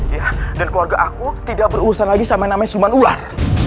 ya dan keluarga aku tidak berurusan lagi sama namanya suman ular